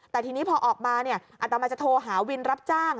แต่ทีนี้พอออกมาอัตมาจะโทรหาวินรับจ้าง